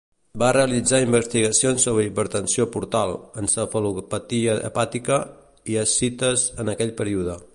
Va realitzar investigacions sobre hipertensió portal, encefalopatia hepàtica i ascites en aquell període.